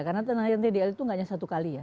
karena kenaikan tdl itu enggak hanya satu kali ya